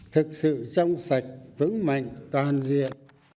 thực sự trong sạch vững mạnh toàn diện